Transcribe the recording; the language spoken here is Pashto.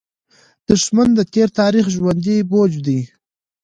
دښمن د تېر تاریخ ژوندى بوج دی